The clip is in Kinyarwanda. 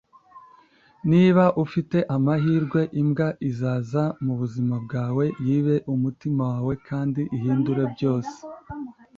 niba ufite amahirwe imbwa izaza mubuzima bwawe, yibe umutima wawe kandi uhindure byose